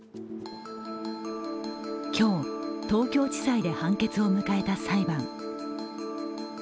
今日、東京地裁で判決を迎えた裁判。